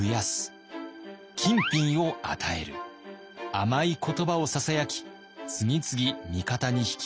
甘い言葉をささやき次々味方に引き入れていきます。